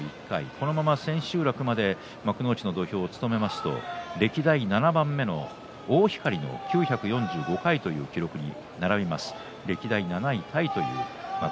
このまま千秋楽まで幕内の土俵を務めますと歴代７番目の大晃の９４５回という記録に並びます。